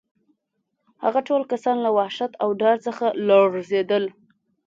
هغه ټول کسان له وحشت او ډار څخه لړزېدل